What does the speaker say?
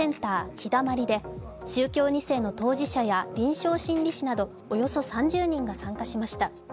陽だまりで宗教２世の当事者や臨床心理士などおよそ３０人が参加しました。